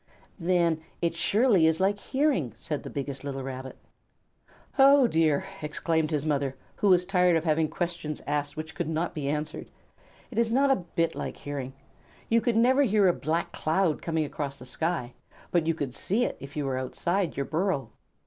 "Then it surely is like hearing," said the biggest little Rabbit. "Oh dear!" exclaimed his mother, who was tired of having questions asked which could not be answered. "It is not a bit like hearing. You could never hear a black cloud coming across the sky, but you could see it if you were outside your burrow.